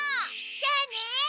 じゃあね。